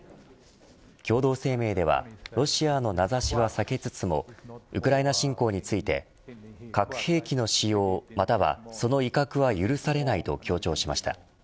共同声明ではロシアの名指しは避けつつもウクライナ侵攻について核兵器の使用、またはその威嚇は許されないと強調しました。